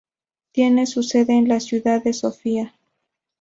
Tiene su sede en la ciudad de Sofía.